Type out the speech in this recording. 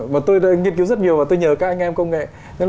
mà tôi đã nghiên cứu rất nhiều và tôi nhờ các anh em công nghệ